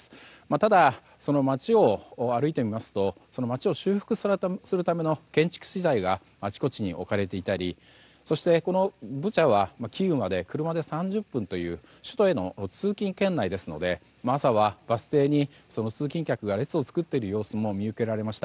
ただ、街を歩いてみますと街を修復するための建築資材があちこちに置かれていたりそして、ブチャはキーウまで車で３０分という首都への通勤圏内ですので朝はバス停に通勤客が列を作っている様子も見受けられました。